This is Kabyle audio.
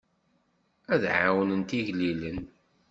Ad ɛawnent igellilen.